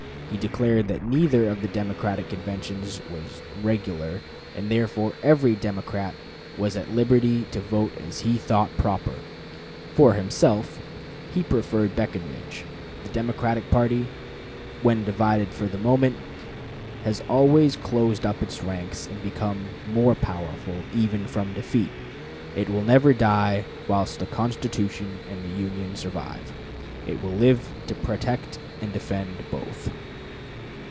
He declared that neither of the Democratic conventions was "regular," and that therefore every Democrat was at liberty to vote as he thought proper. For himself, he preferred Breckinridge. The Democratic party, when divided for the moment, "has always closed up its ranks, and become more powerful even from defeat. It will never die whilst the Constitution and the Union survive. It will live to protect and defend both."